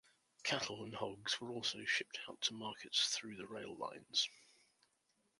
Cattle and hogs were also shipped out to markets through the rail lines.